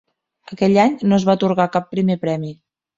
Aquell any no es va atorgar cap primer premi.